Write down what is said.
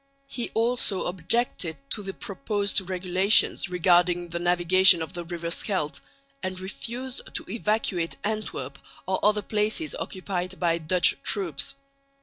He also objected to the proposed regulations regarding the navigation of the river Scheldt, and refused to evacuate Antwerp or other places occupied by Dutch troops.